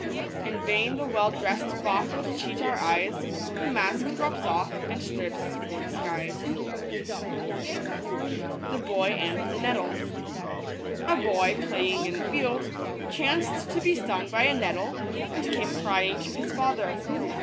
In vain the well dress'd fop would cheat our eyes ; The mask drops off, and strips his poor disguise. Bog anb Kettle. ■ BOY, playing in a field, chanced to be stung by a nettle, and came crying to his father.